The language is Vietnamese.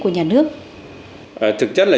của nhà nước thực chất là